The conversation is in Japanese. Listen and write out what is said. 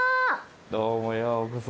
どうも、ようこそ。